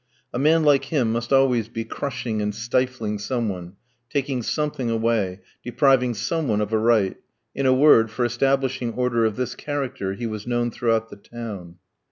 A man like him must always be crushing and stifling some one, taking something away, depriving some one of a right in a word, for establishing order of this character he was known throughout the town.